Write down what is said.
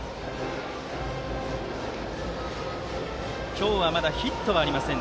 今日は、まだヒットはありません。